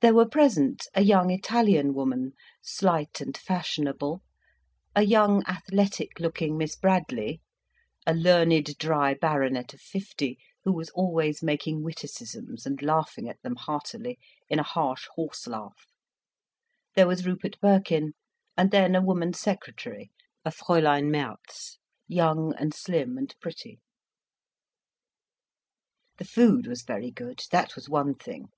There were present a young Italian woman, slight and fashionable, a young, athletic looking Miss Bradley, a learned, dry Baronet of fifty, who was always making witticisms and laughing at them heartily in a harsh, horse laugh, there was Rupert Birkin, and then a woman secretary, a Fräulein März, young and slim and pretty. The food was very good, that was one thing.